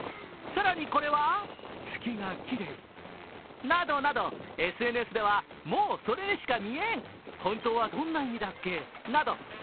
さらにこれは、「月がきれい」などなど、ＳＮＳではもうそれにしか見えん、本当はどんな意味だっけなど